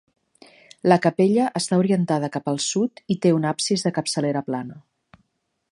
La capella està orientada cap al sud i té un absis de capçalera plana.